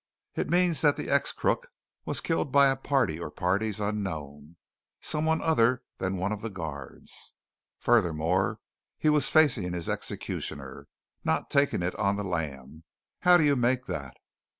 "It means that the ex crook was killed by a party or parties unknown, someone other than one of the guards. Furthermore, he was facing his executioner, not taking it on the lam. How do you make that?"